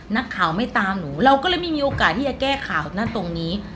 นักข่าวไม่ตามหนูเราก็เลยไม่มีโอกาสที่จะแก้ข่าวนั่นตรงนี้